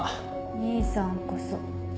兄さんこそ。